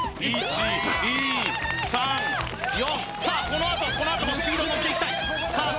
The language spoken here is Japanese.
このあとこのあともスピードに乗っていきたいさあ